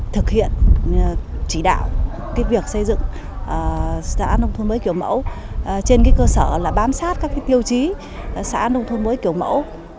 thực hiện chỉ đạo việc xây dựng xã nông thôn mới kiểu mẫu trên cơ sở bám sát các tiêu chí xã nông thôn mới kiểu mẫu